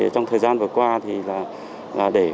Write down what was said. trong thời gian vừa qua thì để xuất được